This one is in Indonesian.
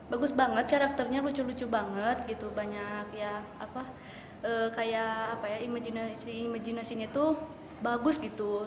bagus banget karakternya lucu lucu banget gitu banyak ya apa kayak apa ya imajina imajinasinya tuh bagus gitu